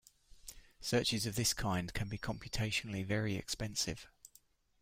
Searches of this kind can be computationally very expensive.